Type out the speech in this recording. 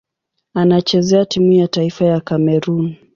Anachezea timu ya taifa ya Kamerun.